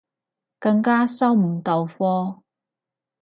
更加收唔到科